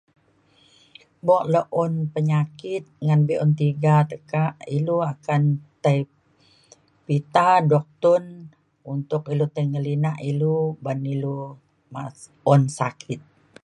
buk le un penyakit ngan be’un tiga tekak ilu akan tai pita duktun untuk ilu tai ngelinak ulu ban ilu mas- un sakit.